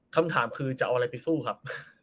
คำถามคือจะเอาอะไรไปสู้ครับ